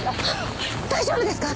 大丈夫ですか？